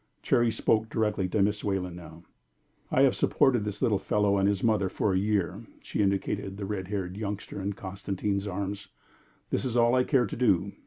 Cherry spoke directly to Miss Wayland now. "I have supported this little fellow and his mother for a year." She indicated the red haired youngster in Constantine's arms. "That is all I care to do.